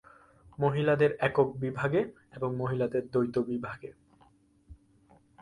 মহিলাদের একক বিভাগে এবং মহিলাদের দ্বৈত বিভাগে।